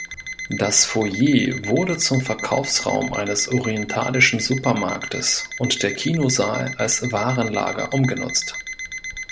Das Foyer wurde zum Verkaufsraum eines orientalischen Supermarktes und der Kinosaal als Warenlager umgenutzt.